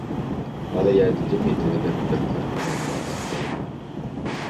بالا يەردە دۈم يېتىۋېلىپ بىر قۇرتنى ئويناۋاتاتتى.